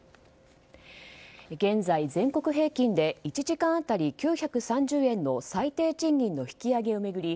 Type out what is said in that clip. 現在、全国平均で１時間当たり９３０円の最低賃金の引き上げを巡り